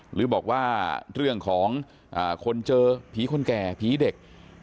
หรือบอกว่าเรื่องของคนเจอผีคนแก่ผีเด็ก